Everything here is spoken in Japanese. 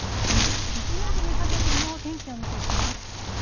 日曜日にかけての天気を見ていきます。